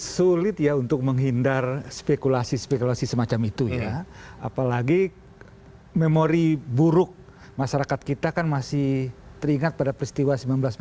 sulit ya untuk menghindar spekulasi spekulasi semacam itu ya apalagi memori buruk masyarakat kita kan masih teringat pada peristiwa seribu sembilan ratus sembilan puluh